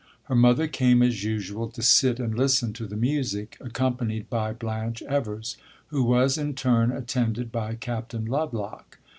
Her mother came, as usual, to sit and listen to the music, accompanied by Blanche Evers, who was in turn attended by Captain Lovelock.